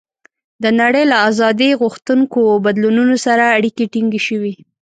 د نړۍ له آزادۍ غوښتونکو بدلونونو سره اړیکې ټینګې شوې.